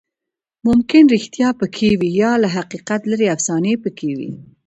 ممکن ریښتیا پکې وي، یا له حقیقت لرې افسانې پکې وي.